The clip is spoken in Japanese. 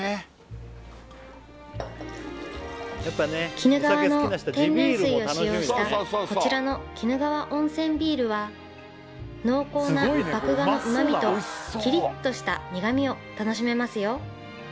鬼怒川の天然水を使用したこちらの鬼怒川温泉ビールは濃厚な麦芽のうまみとキリッとした苦みを楽しめますよ